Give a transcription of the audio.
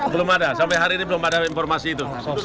belum ada sampai hari ini belum ada informasi itu